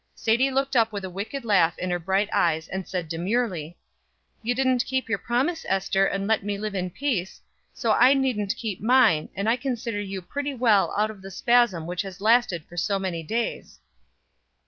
Sadie looked up with a wicked laugh in her bright eyes, and said, demurely: "You didn't keep your promise, Ester, and let me live in peace, so I needn't keep mine and I consider you pretty well out of the spasm which has lasted for so many days."